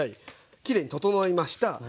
きれいに整いました。